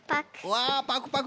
パクパク。